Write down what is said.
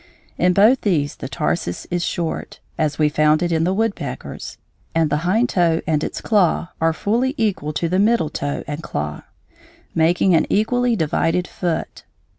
In both these the tarsus is short, as we found it in the woodpeckers, and the hind toe and its claw are fully equal to the middle toe and claw, making an equally divided foot.